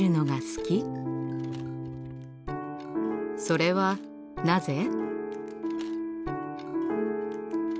それはなぜ？